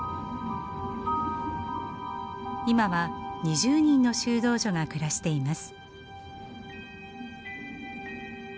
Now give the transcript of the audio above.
今は２０人の修道女が暮らしています。